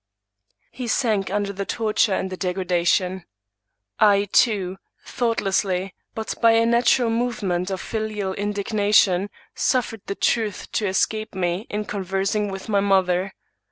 *' He sank under the torture and the degradation. I, too^ thoughtlessly, but by a natural movement of filial indigna tion, suffered the truth to escape me in conversing with my^ mother.